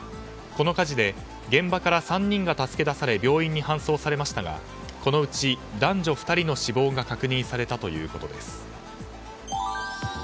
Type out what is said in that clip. この火事で現場から３人が助け出され病院に搬送されましたがこのうち男女２人の死亡が確認されたということです。